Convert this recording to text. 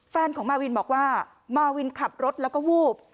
แฟนของมาวินบอกว่ามาวินขับรถแล้วก็วูบ